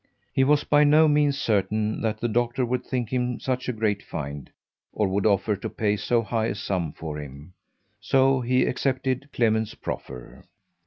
He was by no means certain that the doctor would think him such a great find or would offer to pay so high a sum for him; so he accepted Clement's proffer.